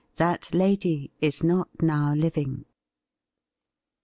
•that lady is not now living.'